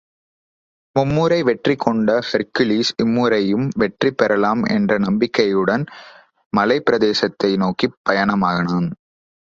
மும்முறை வெற்றி கொண்ட ஹெர்க்குலிஸ் இம்முறையும் வெற்றி பெறலாம் என்ற நம்பிக்கையுட்ன் மலைப் பிரதேசத்தை நோக்கிப் பயணமானான்.